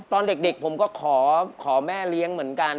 ตอนเด็กผมก็ขอแม่เลี้ยงเหมือนกัน